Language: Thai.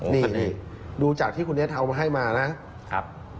นี่ดูจากที่คุณเนสเอามาให้มานะครับ